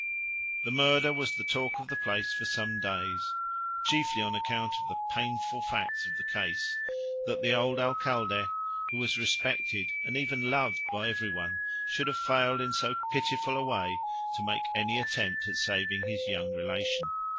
The murder was the talk of the place for some days, chiefly on account of the painful facts of the case that the old Alcalde, who was respected and even loved by every one, should have failed in so pitiful a way to make any attempt at saving his young relation.